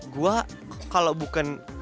gue kalau bukan